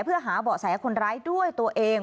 เพื่อหาเบาะแสคนร้ายด้วยตัวเอง